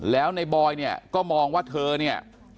แล้วในบอยเนี่ยก็มองว่าเธอเนี่ย